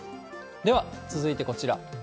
では、続いてこちら。